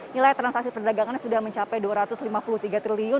nilai transaksi perdagangannya sudah mencapai rp dua ratus lima puluh tiga triliun